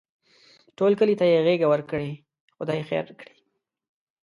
ټول کلي ته یې غېږه ورکړې؛ خدای خیر کړي.